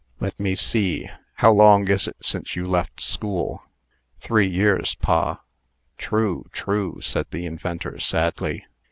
Let me see how long is it since you left school?" "Three years, pa." "True! true!" said the inventor, sadly.